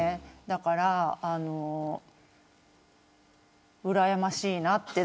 だから、うらやましいなって。